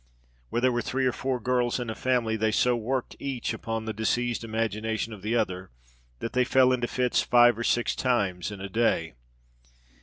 Where there were three or four girls in a family, they so worked each upon the diseased imagination of the other, that they fell into fits five or six times in a day.